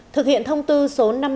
thực hiện thông tư số năm mươi bốn